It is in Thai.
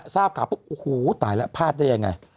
ซาบกะปุ๊บอูหูวตายแล้วพลาดได้ยังไง